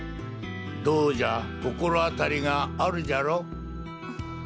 どうじゃ心当たりがあるじゃろう？